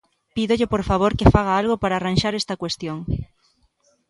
Pídolle por favor que faga algo para arranxar esta cuestión.